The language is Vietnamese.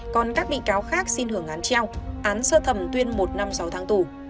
còn các bị cáo khác xin hưởng án treo án sơ thẩm tuyên một năm sáu tháng tù